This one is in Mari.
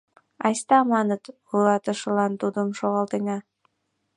Айста, маныт, вуйлатышылан тудым шогалтена!